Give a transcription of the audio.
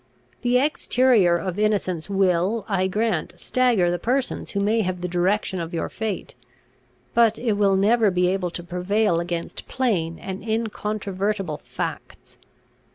The exterior of innocence will, I grant, stagger the persons who may have the direction of your fate, but it will never be able to prevail against plain and incontrovertible facts.